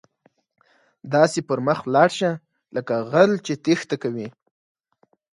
داسې پر مخ ولاړ شه، لکه غل چې ټیښته کوي.